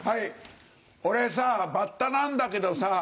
俺さバッタなんだけどさ